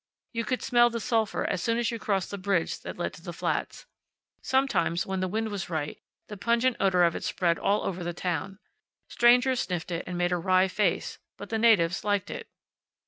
You could smell the sulphur as soon as you crossed the bridge that led to the Flats. Sometimes, when the wind was right, the pungent odor of it spread all over the town. Strangers sniffed it and made a wry face, but the natives liked it.